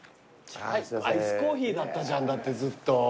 アイスコーヒーだったじゃんだってずっと。